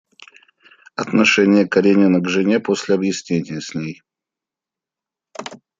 Отношение Каренина к жене после объяснения с ней.